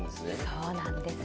そうなんです。